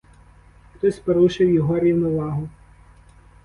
Хтось порушив його рівновагу.